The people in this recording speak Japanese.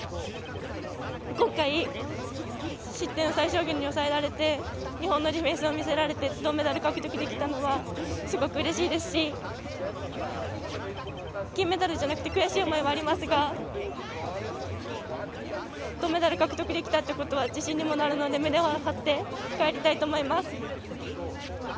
今回、失点を最小限に抑えられて日本のディフェンスを見せられて銅メダルを獲得できたのはすごくうれしいですし金メダルじゃなくて悔しい思いはありますが銅メダル獲得できたのは自信にもなるので胸を張って帰りたいと思います。